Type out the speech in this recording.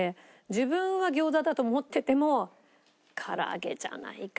自分は餃子だと思っててもから揚げじゃないかな。